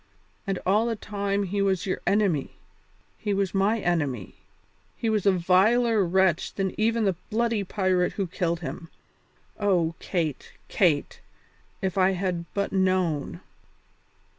And all the time he was your enemy, he was my enemy, he was a viler wretch than even the bloody pirate who killed him. Oh, Kate, Kate! if I had but known."